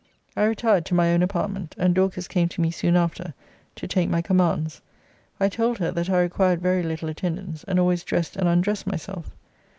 I retired to my own apartment, and Dorcas came to me soon after to take my commands. I told her, that I required very little attendance, and always dressed and undressed myself.